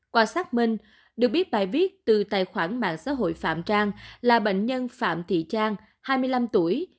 qua xác minh được biết bài viết từ tài khoản mạng xã hội phạm trang là bệnh nhân phạm thị trang hai mươi năm tuổi